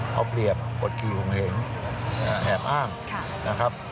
เพราะเปรียบบทคิดของเห็นแหบอ้างนะครับ